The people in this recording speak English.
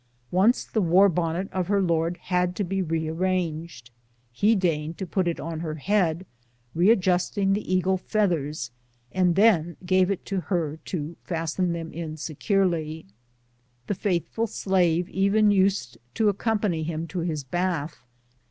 Once the war bonnet of her lord had to be rearranged. He deigned to put it on her head, readjusted the eagle feathers, and then gave it to her to fasten them in securel}^ The faithful slave even used to accompan}^ him to his bath.